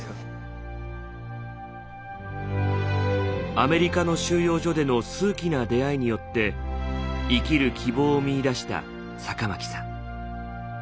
アメリカの収容所での数奇な出会いによって生きる希望を見いだした酒巻さん。